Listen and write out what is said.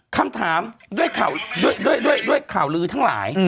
คำถามด้วยข่าวลือทั้งหลาย